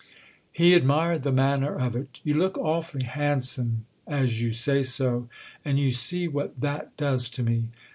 He admired the manner of it "You look awfully handsome as you say so—and you see what that does to me."